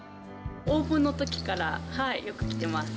オープンのときからよく来てます。